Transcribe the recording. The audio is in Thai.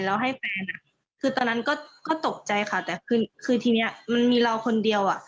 แล้วให้แฟนอ่ะคือตอนนั้นก็ตกใจค่ะแต่คือคือทีนี้มันมีเราคนเดียวอ่ะ